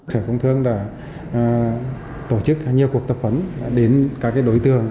sở công thương đã tổ chức nhiều cuộc tập huấn đến các đối tượng